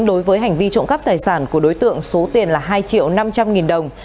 đối với hành vi trộm cắp tài sản của đối tượng số tiền là hai triệu năm trăm linh nghìn đồng